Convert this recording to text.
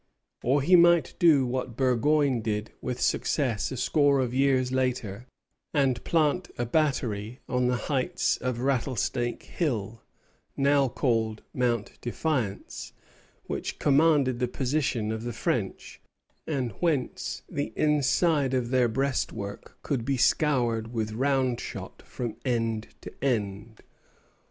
Or he might do what Burgoyne did with success a score of years later, and plant a battery on the heights of Rattlesnake Hill, now called Mount Defiance, which commanded the position of the French, and whence the inside of their breastwork could be scoured with round shot from end to end.